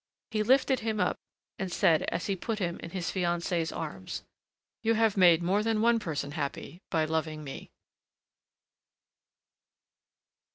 He lifted him up, and said, as he put him in his fiancée's arms: "You have made more than one person happy by loving me!"